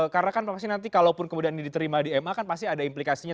karena kan nanti kalau kemudian diterima di ma kan pasti ada implikasinya